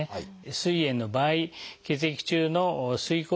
すい炎の場合血液中のすい酵素